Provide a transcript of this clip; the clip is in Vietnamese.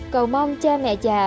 cầu mong cha mẹ già